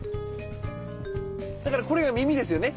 だからこれが耳ですよね。